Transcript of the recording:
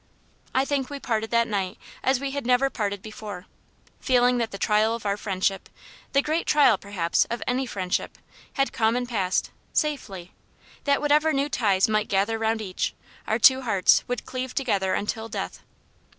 I think we parted that night as we had never parted before; feeling that the trial of our friendship the great trial, perhaps, of any friendship had come and passed, safely: that whatever new ties might gather round each, our two hearts would cleave together until death.